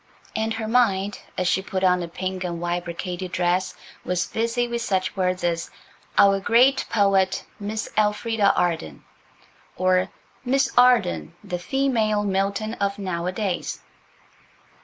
And her mind as she put on a pink and white brocaded dress, was busy with such words as "Our great poet, Miss Elfrida Arden," or "Miss Arden, the female Milton of nowadays."